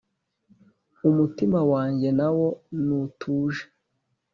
umutima wanjye nawo nutuje